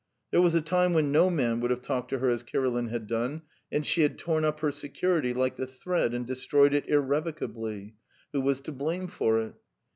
There was a time when no man would have talked to her as Kirilin had done, and she had torn up her security like a thread and destroyed it irrevocably who was to blame for it?